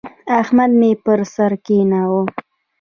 احمد مې پر سر کېناوو.